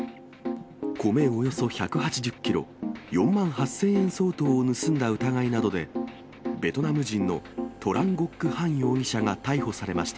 米およそ１８０キロ、４万８０００円相当を盗んだ疑いなどで、ベトナム人のトラン・ゴック・ハン容疑者が逮捕されました。